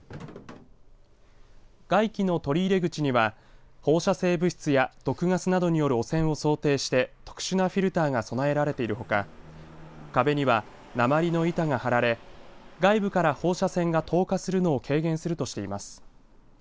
外気の取り入れ口には放射性物質や毒ガスなどによる汚染を想定して特殊なフィルターが備えられているほか壁には、鉛の板がはられ外部から放射線が透過するのを軽減するとしています。